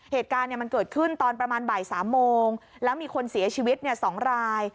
เหตุการณ์มันเกิดขึ้นตอนประมาณบ่าย๓โมงแล้วมีคนเสียชีวิต๒ราย